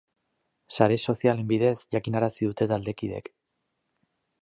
Sare sozialen bidez jakinarazi dute taldekideek.